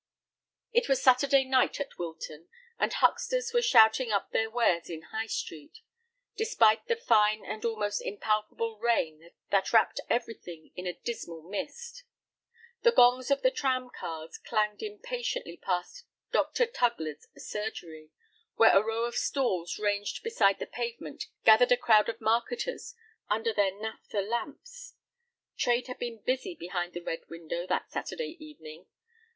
It was Saturday night at Wilton, and hucksters were shouting up their wares in High Street, despite the fine and almost impalpable rain that wrapped everything in a dismal mist. The gongs of the tram cars clanged impatiently past Dr. Tugler's surgery, where a row of stalls ranged beside the pavement gathered a crowd of marketers under their naphtha lamps. Trade had been busy behind the red window that Saturday evening.